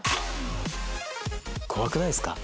怖くないですか？